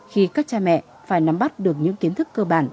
khi các cha mẹ phải nắm bắt được những kiến thức cơ bản